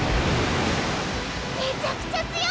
めちゃくちゃ強い！